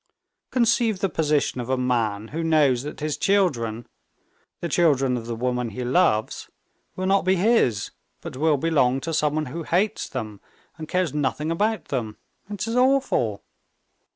Conceive the position of a man who knows that his children, the children of the woman he loves, will not be his, but will belong to someone who hates them and cares nothing about them! It is awful!"